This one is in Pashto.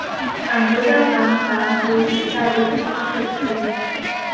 انګور د افغانستان په اوږده تاریخ کې ذکر شوي.